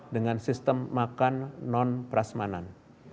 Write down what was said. dengan sistem makan non prasmanan